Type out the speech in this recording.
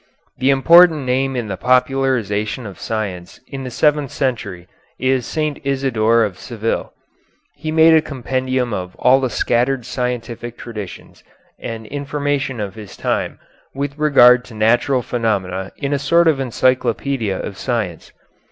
The important name in the popularization of science in the seventh century is St. Isidore of Seville. He made a compendium of all the scattered scientific traditions and information of his time with regard to natural phenomena in a sort of encyclopedia of science.